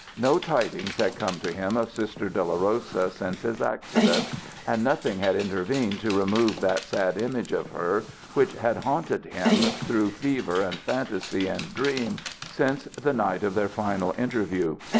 No tidings had come to him of Sister Dolorosa since his accident; and nothing had intervened to remove that sad image of her which had haunted him through fever and phantasy and dream since the night of their final interview.